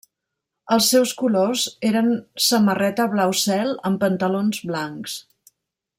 Els seus colors eren samarreta blau cel, amb pantalons blancs.